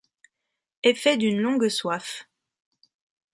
Effet d’une longue soif.